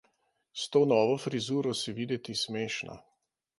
S to novo frizuro si videti smešna.